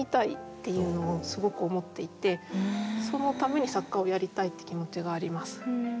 そのために作家をやりたいって気持ちがあります。